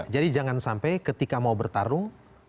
jadi jangan sampai ketika mau bertarung